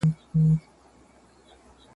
بس را یاده مي غزل سي د ملنګ عبدالرحمن ..